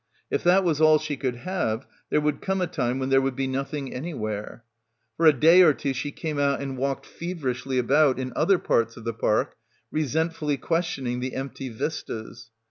If that was all she could have, there would come a time when there would be nothing anywhere. For a day or two she came out and walked feverishly about in other parts of the park, resentfully questioning the empty vistas.